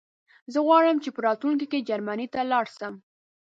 زه غواړم چې په راتلونکي کې جرمنی ته لاړ شم